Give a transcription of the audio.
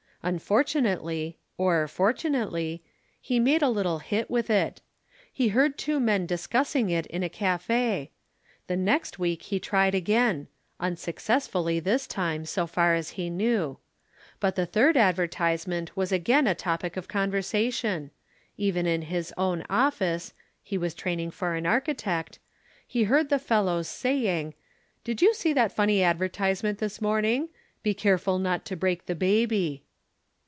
Unfortunately or fortunately he made a little hit with it. He heard two men discussing it in a café. The next week he tried again unsuccessfully this time, so far as he knew. But the third advertisement was again a topic of conversation. Even in his own office (he was training for an architect), he heard the fellows saying, "Did you see that funny advertisement this morning 'Be careful not to break the baby.'"